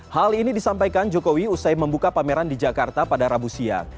hal ini disampaikan jokowi usai membuka pameran di jakarta pada rabu siang